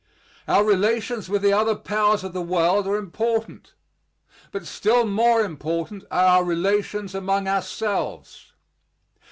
Our relations with the other powers of the world are important; but still more important are our relations among ourselves.